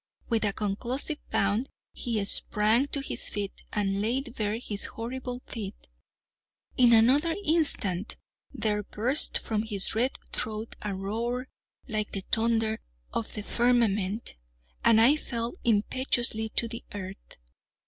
With a conclusive bound he sprang to his feet, and laid bare his horrible teeth. In another instant there burst from his red throat a roar like the thunder of the firmament, and I fell impetuously to the earth.